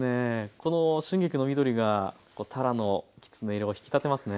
この春菊の緑がたらのきつね色を引き立てますね。